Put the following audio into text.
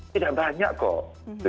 tidak banyak kok